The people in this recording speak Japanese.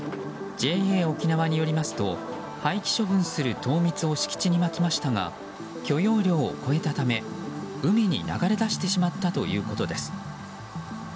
ＪＡおきなわによりますと廃棄処分する糖蜜を敷地にまきましたが許容量を超えたため海に流れ出してしまったということです。